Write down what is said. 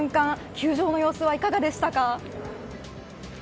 球場の様子はいかがでしたか。